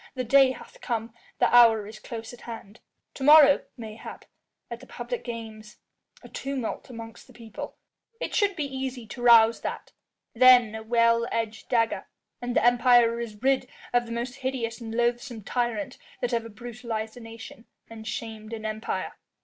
The day hath come, the hour is close at hand. To morrow, mayhap, at the public games ... a tumult amongst the people ... it should be easy to rouse that ... then a well edged dagger ... and the Empire is rid of the most hideous and loathsome tyrant that ever brutalised a nation and shamed an empire."